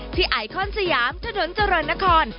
ที่ไอคอนสยามทะเดินเจริญนคร